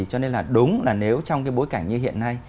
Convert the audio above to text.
cho nên là đúng là nếu trong cái bối cảnh như hiện nay